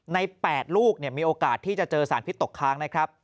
๘ลูกมีโอกาสที่จะเจอสารพิษตกค้างนะครับ